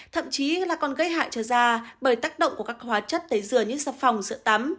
thậm chí là còn gây hại cho da bởi tác động của các hóa chất tẩy rửa như sạp phòng sữa tắm